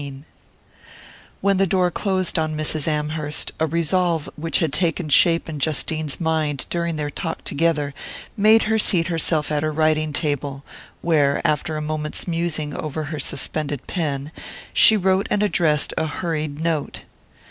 XV WHEN the door closed on Mrs. Amherst a resolve which had taken shape in Justine's mind during their talk together made her seat herself at her writing table, where, after a moment's musing over her suspended pen, she wrote and addressed a hurried note.